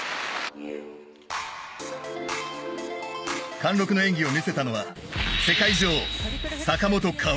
貫禄の演技を見せたのは世界女王坂本花織。